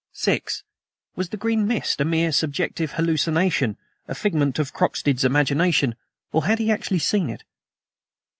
(6) Was the green mist a mere subjective hallucination a figment of Croxted's imagination or had he actually seen it?